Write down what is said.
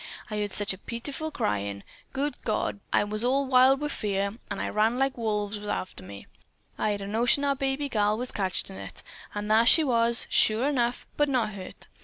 I heard sech a pitiful cryin'. Good God, but I was wild wi' fear, an' I ran like wolves was arter me. I'd a notion our baby gal was catched in it. An' thar she was, sure enough, but not hurt.